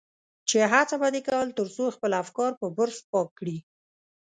چې هڅه به دې کول تر څو خپل افکار په برس پاک کړي.